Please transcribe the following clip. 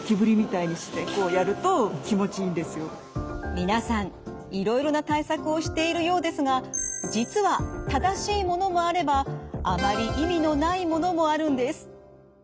皆さんいろいろな対策をしているようですが実は正しいものもあればあまり意味のないものもあるんです。